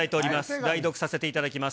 代読させていただきます。